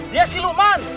dia si luqman